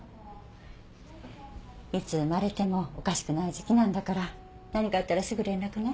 いつ生まれてもおかしくない時期なんだから何かあったらすぐ連絡ね。